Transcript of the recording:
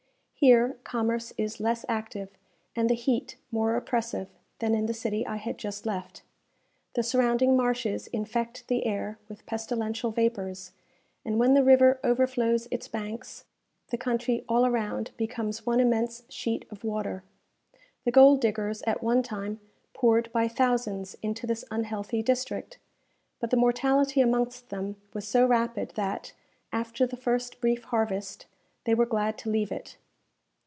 Here commerce is less active, and the heat more oppressive, than in the city I had just left. The surrounding marshes infect the air with pestilential vapours, and when the river overflows its banks, the country all around becomes one immense sheet of water. The gold diggers at one time poured by thousands into this unhealthy district; but the mortality amongst them was so rapid that, after the first brief harvest, they were glad to leave it.